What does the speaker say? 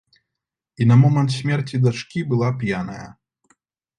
І на момант смерці дачкі была п'яная.